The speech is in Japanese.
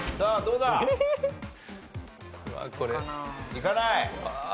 いかない。